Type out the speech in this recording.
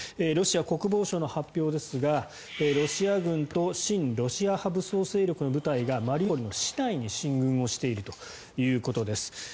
ロシア国防省の発表ですがロシア軍と親ロシア派武装勢力の部隊がマリウポリの市内に進軍をしているということです。